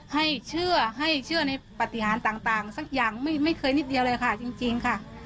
ให้เชื่อให้เชื่อในปฏิหารต่างสักอย่างไม่เคยนิดเดียวเลยค่ะจริงค่ะ